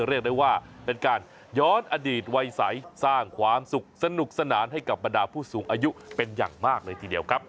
เรียกได้ว่าเป็นการย้อนอดีตวัยใสสร้างความสุขสนุกสนานให้กับบรรดาผู้สูงอายุเป็นอย่างมากเลยทีเดียวครับ